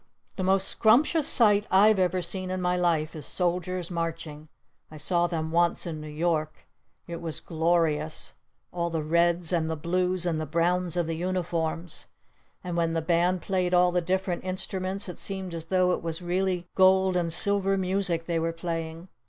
The most scrumptious sight I've ever seen in my life is Soldiers Marching! I saw them once in New York! It was glorious! All the reds and the blues and the browns of the Uniforms! And when the Band played all the different instruments it seemed as though it was really gold and silver music they were playing!